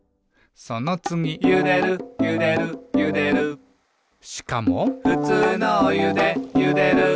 そのつぎ「ゆでるゆでるゆでる」しかも「ふつうのおゆでゆでる」